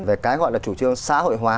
về cái gọi là chủ trương xã hội hóa